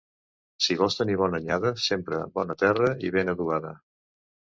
Si vols tenir bona anyada sembra bona terra i ben adobada.